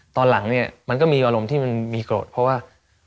ตอนหลังเนี่ยมันก็มีอารมณ์ที่มันมีโกรธเพราะว่า